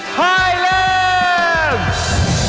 โอ้โหไทยแลนด์